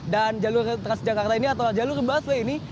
dan jalur transjakarta ini atau jalur busway ini